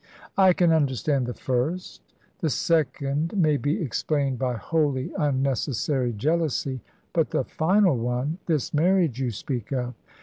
"I can understand the first; the second may be explained by wholly unnecessary jealousy; but the final one this marriage you speak of?"